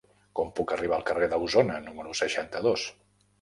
Com puc arribar al carrer d'Ausona número seixanta-dos?